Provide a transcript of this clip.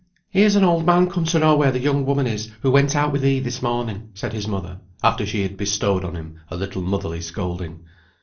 "Here's an old man come to know where the young woman is who went out with thee this morning," said his mother, after she had bestowed on him a little motherly scolding.